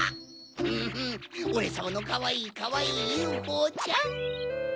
んオレさまのかわいいかわいいＵＦＯちゃん。